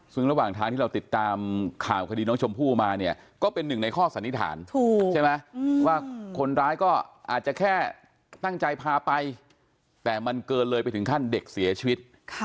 ซึ่งระหว่างทางที่เราติดตามข่าวคดีน้องชมพู่มาเนี่ยก็เป็นหนึ่งในข้อสันนิษฐานใช่ไหมว่าคนร้ายก็อาจจะแค่ตั้งใจพาไปแต่มันเกินเลยไปถึงขั้นเด็กเสียชีวิต